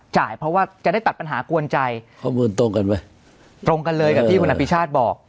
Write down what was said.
จ่ายเพราะว่าจะได้ตัดปัญหากวนใจข้อมูลตรงกันเว้ยตรงกันเลยกับที่คุณอภิชาติบอก